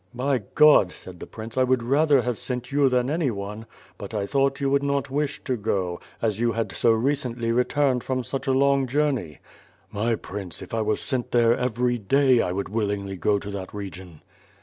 "By God," said the Prince, "I would rather have sent you than anyone; but I thought you would not wish to go, as you had so recently returned from such a long journey." "My Prince, if I were sent there every day, I would will ingly go to that region."